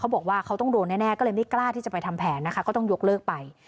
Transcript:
บอกว่าเขาต้องโดนแน่ก็เลยไม่กล้าที่จะไปทำแผนนะคะก็ต้องยกเลิกไป